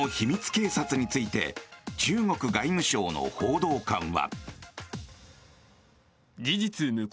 警察について中国外務省の報道官は。